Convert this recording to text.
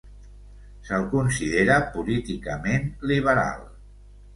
Se'l considera políticament liberal.